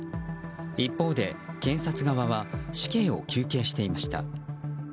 一方で検察側は死刑を求刑していました。